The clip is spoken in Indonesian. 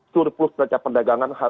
surplus meraca perdagangan